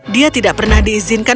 dia tidak pernah diizinkan